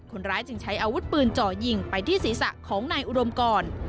คนร้ายจึงใช้อาวุธปืนเจาะยิงไปที่ศีรษะของนายอุดมกร